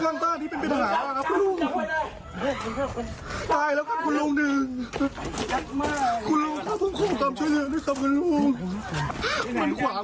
มันขวางมาให้ภูมิเท่าบ้านคุณลูก